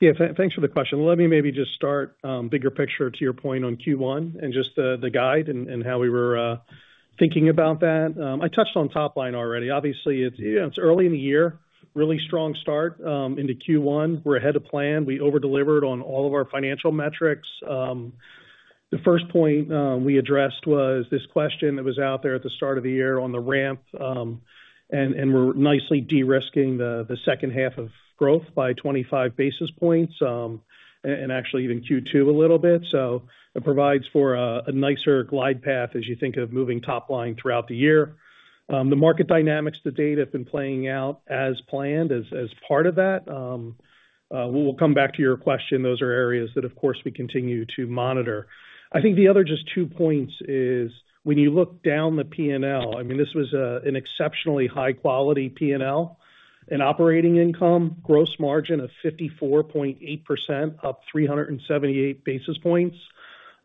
Yeah. Thanks for the question. Let me maybe just start bigger picture to your point on Q1 and just the guide and how we were thinking about that. I touched on top line already. Obviously, it's early in the year, really strong start into Q1. We're ahead of plan. We overdelivered on all of our financial metrics. The first point we addressed was this question that was out there at the start of the year on the ramp, and we're nicely de-risking the second half of growth by 25 basis points and actually even Q2 a little bit. So it provides for a nicer glide path as you think of moving top line throughout the year. The market dynamics, the data have been playing out as planned as part of that. We'll come back to your question. Those are areas that, of course, we continue to monitor. I think the other just two points is when you look down the P&L, I mean, this was an exceptionally high-quality P&L and operating income, gross margin of 54.8%, up 378 basis points,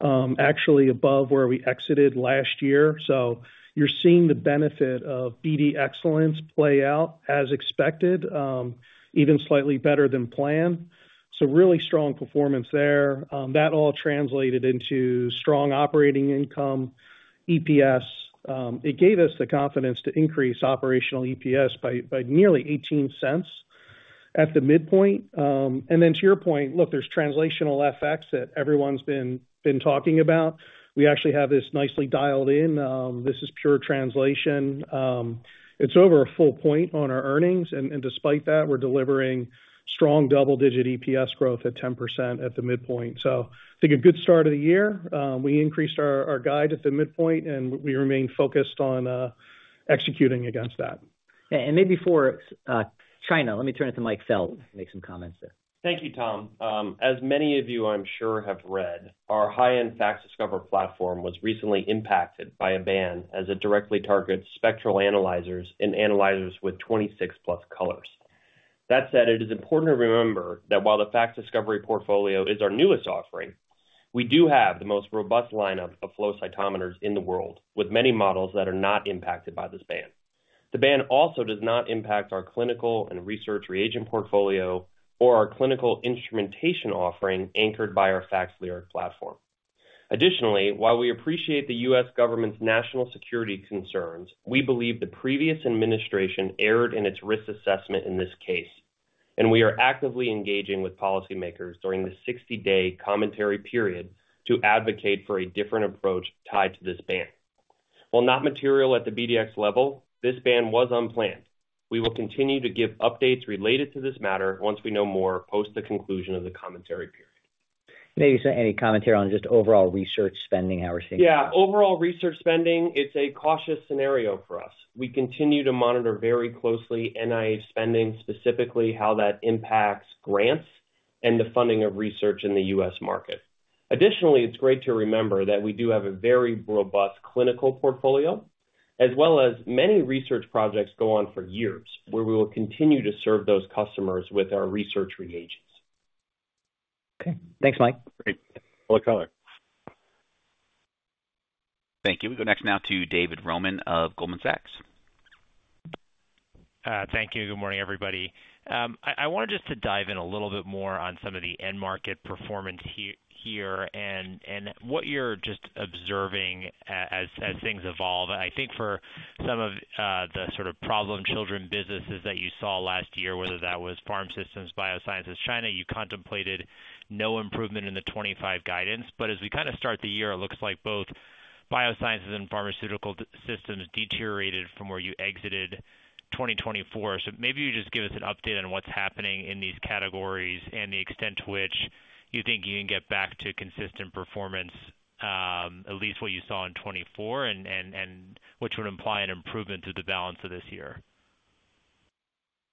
actually above where we exited last year. So you're seeing the benefit of BD Excellence play out as expected, even slightly better than planned. Really strong performance there. That all translated into strong operating income, EPS. It gave us the confidence to increase operational EPS by nearly $0.18 at the midpoint. And then to your point, look, there's translational FX that everyone's been talking about. We actually have this nicely dialed in. This is pure translation. It's over a full point on our earnings. And despite that, we're delivering strong double-digit EPS growth at 10% at the midpoint. So I think a good start of the year. We increased our guide at the midpoint, and we remain focused on executing against that. And maybe for China, let me turn it to Mike Feld to make some comments there. Thank you, Tom. As many of you, I'm sure, have read, our high-end FACSDiscover platform was recently impacted by a ban as it directly targets spectral analyzers and analyzers with 26-plus colors. That said, it is important to remember that while the FACSDiscover portfolio is our newest offering, we do have the most robust lineup of flow cytometers in the world with many models that are not impacted by this ban. The ban also does not impact our clinical and research reagent portfolio or our clinical instrumentation offering anchored by our FACSLyric platform. Additionally, while we appreciate the U.S. government's national security concerns, we believe the previous administration erred in its risk assessment in this case, and we are actively engaging with policymakers during the 60-day commentary period to advocate for a different approach tied to this ban. While not material at the BDX level, this ban was unplanned. We will continue to give updates related to this matter once we know more post the conclusion of the commentary period. Maybe any commentary on just overall research spending, how we're seeing? Yeah. Overall research spending, it's a cautious scenario for us. We continue to monitor very closely NIH spending, specifically how that impacts grants and the funding of research in the US market. Additionally, it's great to remember that we do have a very robust clinical portfolio, as well as many research projects go on for years where we will continue to serve those customers with our research reagents. Okay. Thanks, Mike. Great. Well, color. Thank you. We go next now to David Roman of Goldman Sachs. Thank you. Good morning, everybody. I wanted just to dive in a little bit more on some of the end market performance here and what you're just observing as things evolve. I think for some of the sort of problem children businesses that you saw last year, whether that was Pharm Systems, Biosciences, China, you contemplated no improvement in the 2025 guidance. But as we kind of start the year, it looks like both Biosciences and Pharmaceutical Systems deteriorated from where you exited 2024. So maybe you just give us an update on what's happening in these categories and the extent to which you think you can get back to consistent performance, at least what you saw in 2024, and which would imply an improvement through the balance of this year.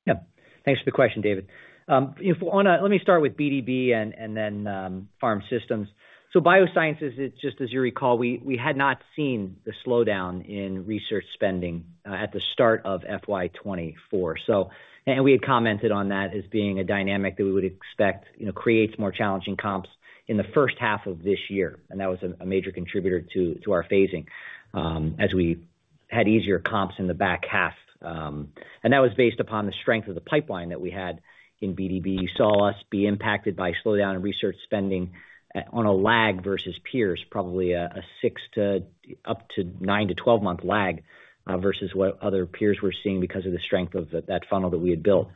Yep. Thanks for the question, David. Let me start with BD Biosciences and then Pharm Systems. So Biosciences, just as you recall, we had not seen the slowdown in research spending at the start of FY 2024. We had commented on that as being a dynamic that we would expect creates more challenging comps in the first half of this year. That was a major contributor to our phasing as we had easier comps in the back half. That was based upon the strength of the pipeline that we had in BD. You saw us be impacted by slowdown in research spending on a lag versus peers, probably a six to up to nine to 12-month lag versus what other peers were seeing because of the strength of that funnel that we had built.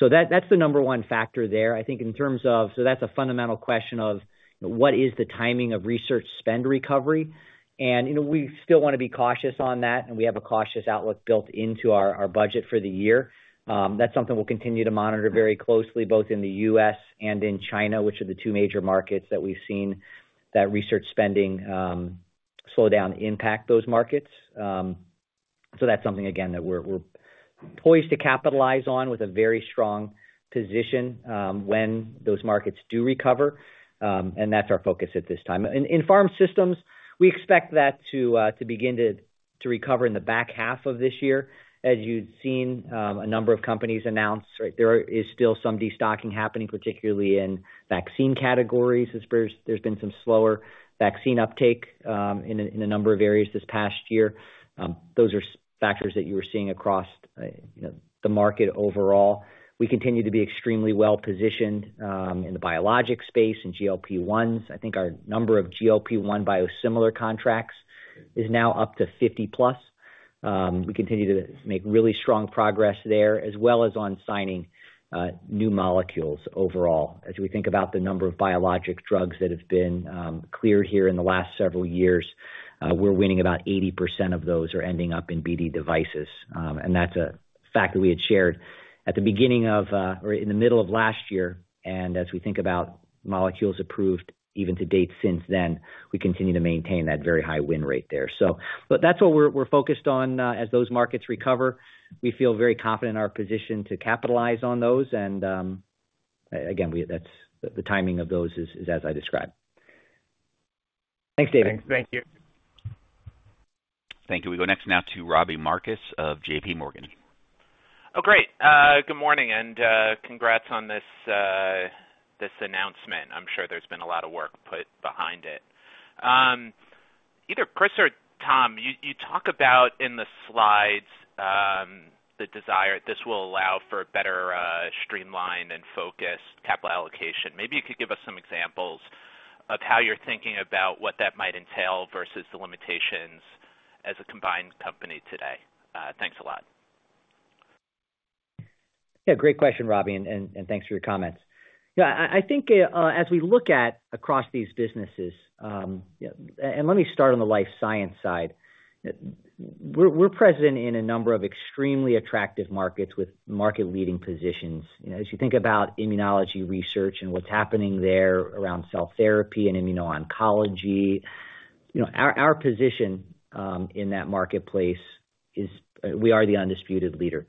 That's the number one factor there. I think in terms of so that's a fundamental question of what is the timing of research spend recovery. We still want to be cautious on that, and we have a cautious outlook built into our budget for the year. That's something we'll continue to monitor very closely, both in the U.S. and in China, which are the two major markets that we've seen that research spending slowdown impact those markets. So that's something, again, that we're poised to capitalize on with a very strong position when those markets do recover, and that's our focus at this time. In pharma, we expect that to begin to recover in the back half of this year. As you've seen a number of companies announce, there is still some destocking happening, particularly in vaccine categories. There's been some slower vaccine uptake in a number of areas this past year. Those are factors that you were seeing across the market overall. We continue to be extremely well-positioned in the biologic space and GLP-1s. I think our number of GLP-1 biosimilar contracts is now up to 50-plus. We continue to make really strong progress there, as well as on signing new molecules overall. As we think about the number of biologic drugs that have been cleared here in the last several years, we're winning about 80% of those are ending up in BD devices. And that's a fact that we had shared at the beginning of or in the middle of last year. And as we think about molecules approved even to date since then, we continue to maintain that very high win rate there. But that's what we're focused on as those markets recover. We feel very confident in our position to capitalize on those. And again, the timing of those is as I described. Thanks, David. Thank you. Thank you. We go next now to Robbie Marcus of JPMorgan. Oh, great. Good morning and congrats on this announcement. I'm sure there's been a lot of work put behind it. Either Chris or Tom, you talk about in the slides the desire that this will allow for a better streamlined and focused capital allocation. Maybe you could give us some examples of how you're thinking about what that might entail versus the limitations as a combined company today. Thanks a lot. Yeah. Great question, Robbie, and thanks for your comments. I think as we look across these businesses, and let me start on the Life Sciences side. We're present in a number of extremely attractive markets with market-leading positions. As you think about immunology research and what's happening there around cell therapy and immuno-oncology, our position in that marketplace is we are the undisputed leader.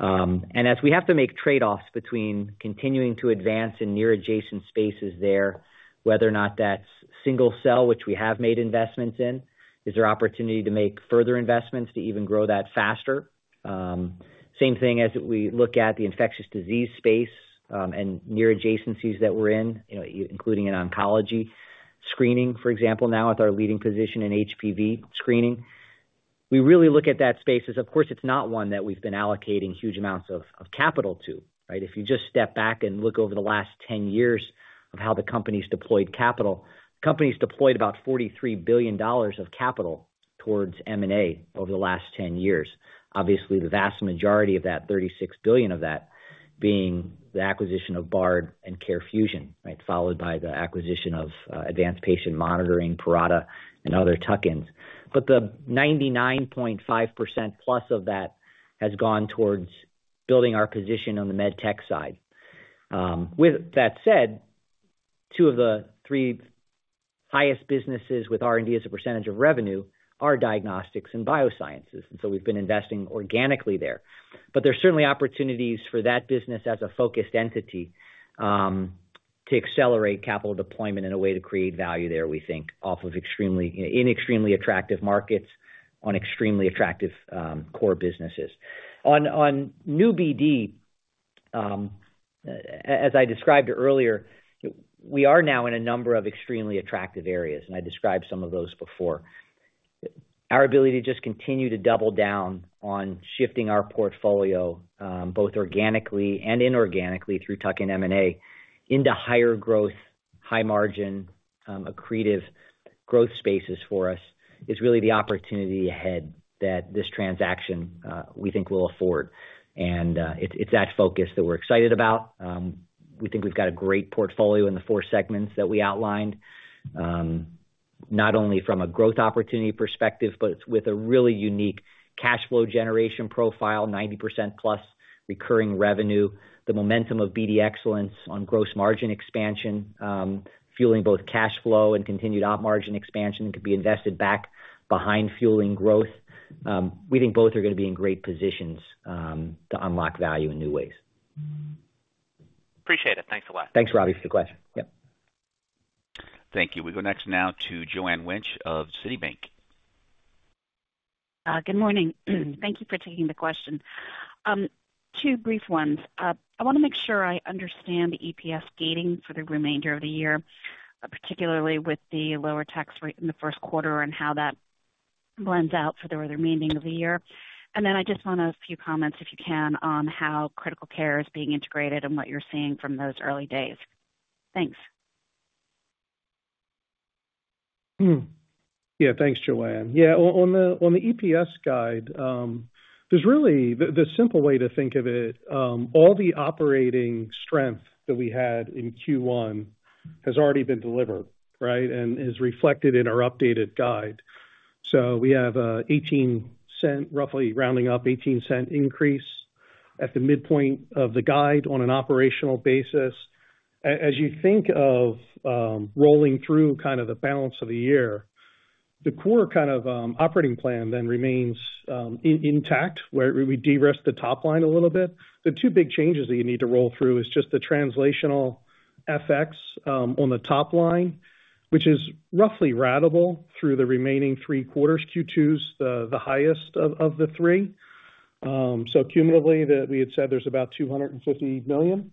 As we have to make trade-offs between continuing to advance in near-adjacent spaces there, whether or not that's single-cell, which we have made investments in, is there opportunity to make further investments to even grow that faster? Same thing as we look at the infectious disease space and near-adjacencies that we're in, including in oncology screening, for example, now with our leading position in HPV screening. We really look at that space as, of course, it's not one that we've been allocating huge amounts of capital to. If you just step back and look over the last 10 years of how the company's deployed capital, the company's deployed about $43 billion of capital towards M&A over the last 10 years. Obviously, the vast majority of that, $36 billion of that, being the acquisition of Bard and CareFusion, followed by the acquisition of Advanced Patient Monitoring, Parata, and other tuck-ins. But the 99.5% plus of that has gone towards building our position on the med tech side. With that said, two of the three highest businesses with R&D as a percentage of revenue are diagnostics and Biosciences. And so we've been investing organically there. But there's certainly opportunities for that business as a focused entity to accelerate capital deployment in a way to create value there, we think, in extremely attractive markets on extremely attractive core businesses. On New BD, as I described earlier, we are now in a number of extremely attractive areas. And I described some of those before. Our ability to just continue to double down on shifting our portfolio, both organically and inorganically through tuck-in M&A, into higher growth, high-margin, accretive growth spaces for us is really the opportunity ahead that this transaction we think will afford. And it's that focus that we're excited about. We think we've got a great portfolio in the four segments that we outlined, not only from a growth opportunity perspective, but with a really unique cash flow generation profile, 90% plus recurring revenue, the momentum of BD Excellence on gross margin expansion, fueling both cash flow and continued op margin expansion that could be invested back behind fueling growth. We think both are going to be in great positions to unlock value in new ways. Appreciate it. Thanks a lot. Thanks, Robbie, for the question. Yep. Thank you. We go next now to Joanne Wuensch of Citibank. Good morning. Thank you for taking the question. Two brief ones. I want to make sure I understand the EPS gating for the remainder of the year, particularly with the lower tax rate in the first quarter and how that blends out for the remainder of the year. And then I just want a few comments, if you can, on how Critical Care is being integrated and what you're seeing from those early days. Thanks. Yeah. Thanks, Joanne. Yeah. On the EPS guide, there's really the simple way to think of it. All the operating strength that we had in Q1 has already been delivered, right, and is reflected in our updated guide. So we have an $0.18, roughly rounding up $0.18 increase at the midpoint of the guide on an operational basis. As you think of rolling through kind of the balance of the year, the core kind of operating plan then remains intact where we de-risk the top line a little bit. The two big changes that you need to roll through is just the transactional FX on the top line, which is roughly ratable through the remaining three quarters, Q2's the highest of the three. So cumulatively, we had said there's about $250 million.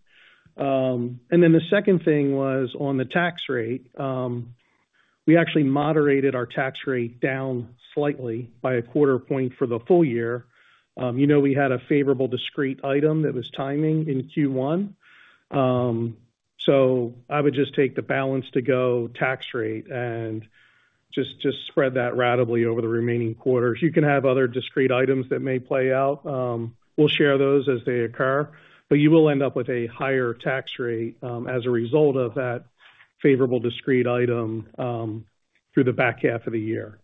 And then the second thing was on the tax rate. We actually moderated our tax rate down slightly by a quarter point for the full year. We had a favorable discrete item that was timing in Q1. So I would just take the balance to go tax rate and just spread that ratably over the remaining quarters. You can have other discrete items that may play out. We'll share those as they occur. But you will end up with a higher tax rate as a result of that favorable discrete item through the back half of the year.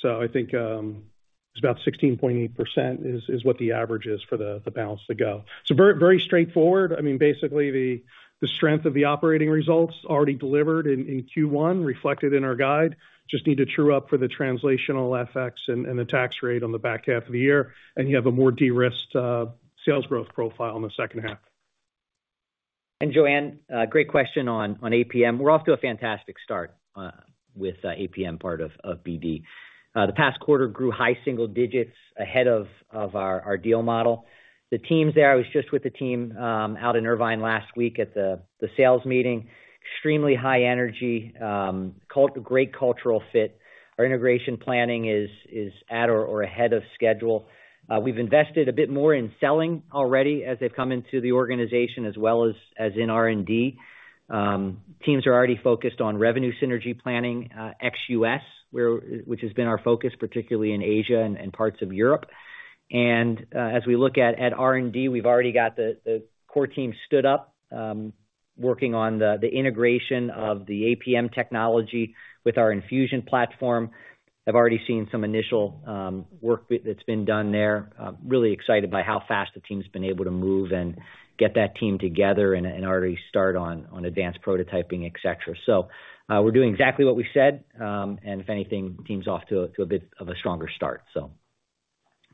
So I think it's about 16.8% is what the average is for the balance to go. So very straightforward. I mean, basically, the strength of the operating results already delivered in Q1 reflected in our guide. Just need to true up for the transactional FX and the tax rate on the back half of the year, and you have a more de-risked sales growth profile in the second half. And Joanne, great question on APM. We're off to a fantastic start with APM part of BD. The past quarter grew high single digits ahead of our deal model. The teams there, I was just with the team out in Irvine last week at the sales meeting. Extremely high energy, great cultural fit. Our integration planning is at or ahead of schedule. We've invested a bit more in selling already as they've come into the organization, as well as in R&D. Teams are already focused on revenue synergy planning, ex-U.S., which has been our focus, particularly in Asia and parts of Europe. And as we look at R&D, we've already got the core team stood up working on the integration of the APM technology with our infusion platform. I've already seen some initial work that's been done there. Really excited by how fast the team's been able to move and get that team together and already start on advanced prototyping, etc. So we're doing exactly what we said. And if anything, the team's off to a bit of a stronger start. So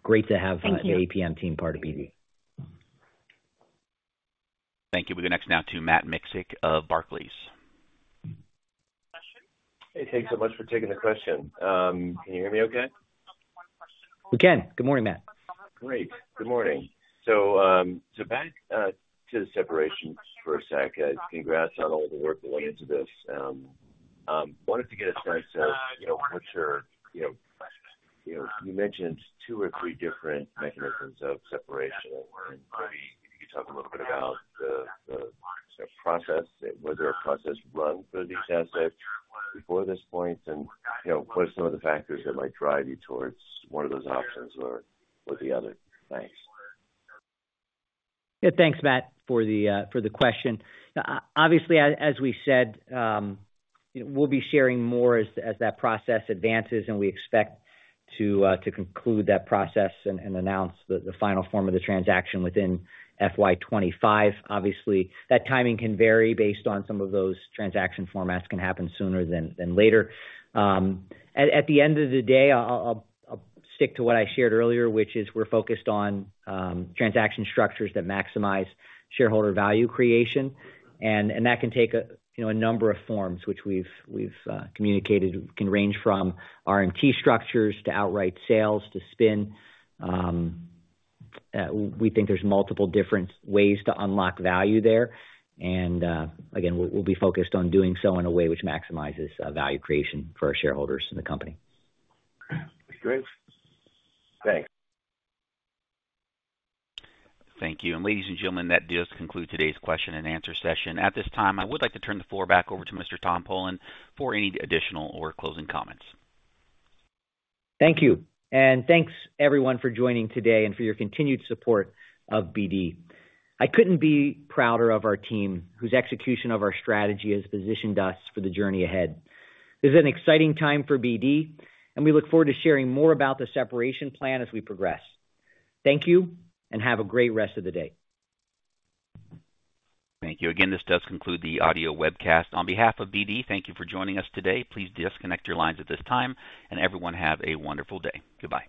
great to have the APM team part of BD. Thank you. We go next now to Matt Miksic of Barclays. Hey, thanks so much for taking the question. Can you hear me okay? We can. Good morning, Matt. Great. Good morning. So back to the separation for a sec. Congrats on all the work that went into this. I wanted to get a sense of what you mentioned two or three different mechanisms of separation. Maybe you could talk a little bit about the process, whether you've run a process for these assets before this point, and what are some of the factors that might drive you towards one of those options or the other? Thanks. Yeah. Thanks, Matt, for the question. Obviously, as we said, we'll be sharing more as that process advances, and we expect to conclude that process and announce the final form of the transaction within FY25. Obviously, that timing can vary based on some of those transaction formats can happen sooner than later. At the end of the day, I'll stick to what I shared earlier, which is we're focused on transaction structures that maximize shareholder value creation, and that can take a number of forms, which we've communicated can range from RMT structures to outright sales to spin. We think there's multiple different ways to unlock value there, and again, we'll be focused on doing so in a way which maximizes value creation for our shareholders and the company. Great. Thanks. Thank you, and ladies and gentlemen, that does conclude today's question and answer session. At this time, I would like to turn the floor back over to Mr. Tom Polen for any additional or closing comments. Thank you, and thanks, everyone, for joining today and for your continued support of BD. I couldn't be prouder of our team whose execution of our strategy has positioned us for the journey ahead. This is an exciting time for BD, and we look forward to sharing more about the separation plan as we progress. Thank you, and have a great rest of the day. Thank you. Again, this does conclude the audio webcast. On behalf of BD, thank you for joining us today. Please disconnect your lines at this time, and everyone have a wonderful day. Goodbye.